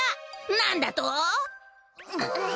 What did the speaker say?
なんだと！？